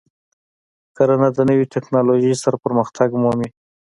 کرنه د نوې تکنالوژۍ سره پرمختګ مومي.